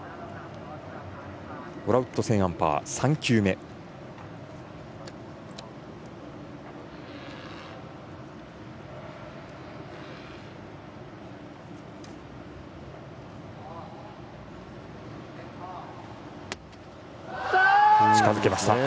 ウォラウット・セーンアンパーの３球目。近づけました。